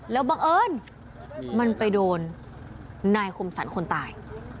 แล้วบังเอิญมันไปโดนนายคมสรรคนตาย